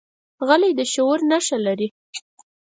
غلی، د شعور نښه لري.